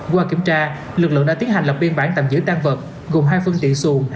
qua kiểm tra lực lượng đã tiến hành lập biên bản tạm giữ tăng vật gồm hai phương tiện xuồng